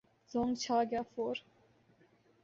زونگ چھا گیا فور